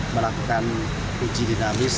melakukan uji dinamis